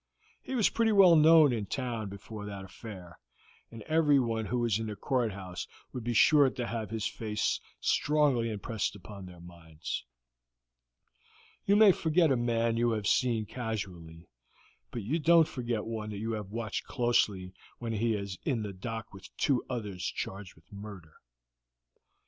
He was pretty well known in town before that affair, and everyone who was in the courthouse would be sure to have his face strongly impressed upon their minds. You may forget a man you have seen casually, but you don't forget one you have watched closely when he is in the dock with two others charged with murder.